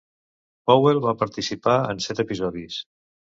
Powell va participar en set episodis.